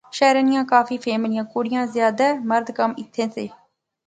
شہرے نیاں کافی فیملیاں، کڑیاں زیادے مرد کم ایتھیں سے